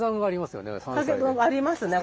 ありますね